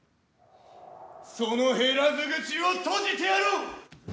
その減らず口を閉じてやろう。